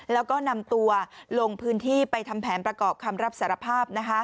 แล้วก็นำตัวลงพื้นที่ไปทำแผนประกอบคำรับสารภาพ